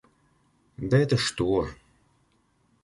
Да это что!